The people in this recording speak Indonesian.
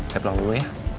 saya pulang dulu ya